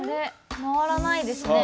回らないですね。